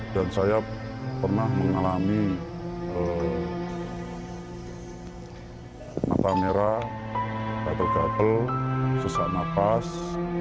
dan saya pernah mengalami mata merah batal gatel sesak nafas